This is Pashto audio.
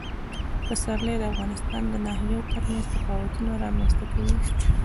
پسرلی د افغانستان د ناحیو ترمنځ تفاوتونه رامنځ ته کوي.